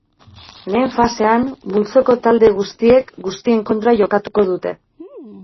Lehen fasean multzoko talde guztiek guztien kontra jokatuko dute.